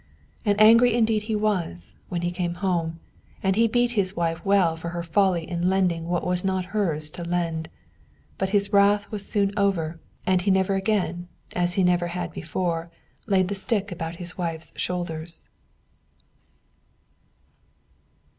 And angry indeed he was, when he came home, and he beat his wife well for her folly in lending what was not hers to lend. But his wrath was soon over, and he never again, as he never had before, laid the stick about his wife's shoulders.